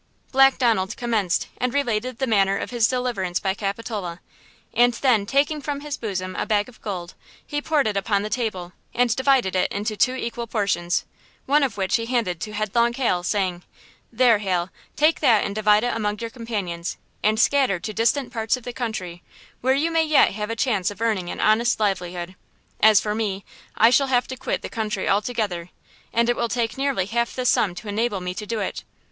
Black Donald commenced and related the manner of his deliverance by Capitola; and then, taking from his bosom a bag of gold. he poured it upon the table and divided it into two equal portions, one of which he handed to "Headlong Hal," saying: "There, Hal, take that and divide it among your companions, and scatter to distant parts of the country, where you may yet have a chance of earning an honest livelihood! As for me, I shall have to quit the country altogether, and it will take nearly half this sum to enable me to do it.